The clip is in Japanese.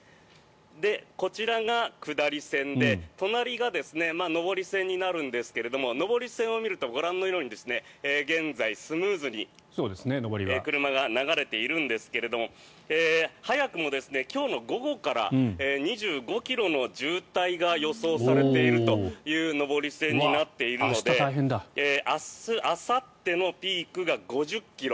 こちらが下り線で隣が上り線になるんですけども上り線を見ると、ご覧のように現在、スムーズに車が流れているんですが早くも今日の午後から２５ｋｍの渋滞が予想されているという上り線になっているので明日、あさってのピークが５０ｋｍ。